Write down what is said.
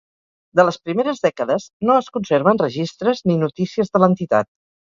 De les primeres dècades no es conserven registres ni notícies de l'entitat.